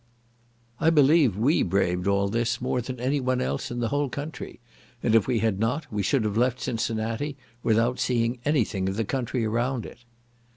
I believe we braved all this more than any one else in the whole country, and if we had not, we should have left Cincinnati without seeing any thing of the country around it.